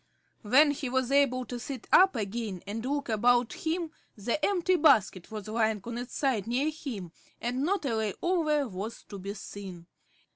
When he was able to sit up again and look about him the empty basket was lying on its side near him, and not a lay over was to be seen.